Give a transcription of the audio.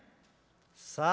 「さあ？」。